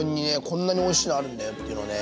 こんなにおいしいのあるんだよっていうのをね